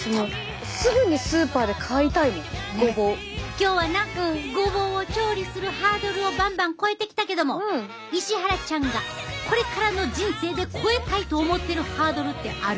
今日はなごぼうを調理するハードルをバンバン越えてきたけども石原ちゃんがこれからの人生で越えたいと思ってるハードルってある？